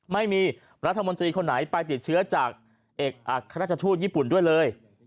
ไม่มีรัฐมนตรีคนไหนไปติดเชื้อจากเอกอัครราชทูตญี่ปุ่นด้วยเลย